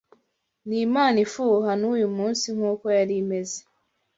Ni Imana ifuha n’uyu munsi nk’uko yari imeze